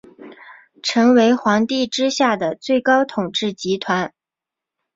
成为皇帝之下的最高统治集团。